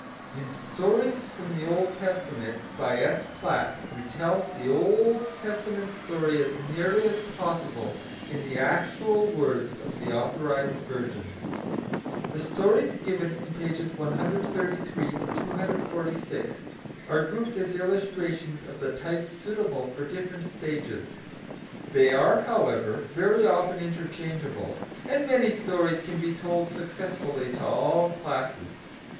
[Footnote 1: Stories from the Old Testament, by S. Platt, retells the Old Testament story as nearly as possible in the actual words of the Authorised Version.] The stories given in pages 133 to 246 are grouped as illustrations of the types suitable for different stages. They are, however, very often interchangeable; and many stories can be told successfully to all classes.